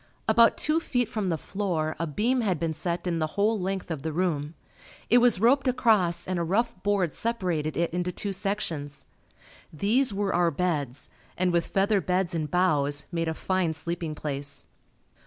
About two feet from the floor a beam had been set in the whole length of the room. It was roped across and a rough board separated it into two sections. These were our beds and with feather beds and boughs, made a fine sleeping place.